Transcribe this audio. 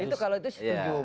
itu kalau itu setuju